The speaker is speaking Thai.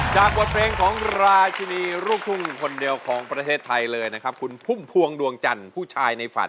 บทเพลงของราชินีลูกทุ่งคนเดียวของประเทศไทยเลยนะครับคุณพุ่มพวงดวงจันทร์ผู้ชายในฝัน